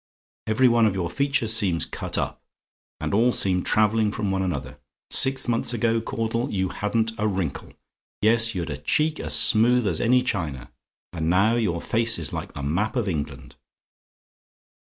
Every one of your features seems cut up and all seem travelling from one another. Six months ago, Caudle, you hadn't a wrinkle; yes, you'd a cheek as smooth as any china, and now your face is like the Map of England.